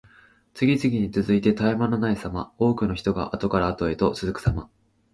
次々に続いて絶え間のないさま。多くの人があとからあとへと続くさま。